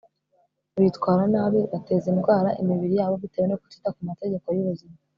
bitwara nabi bateza indwara imibiri yabo, bitewe no kutita ku mategeko y'ubuzima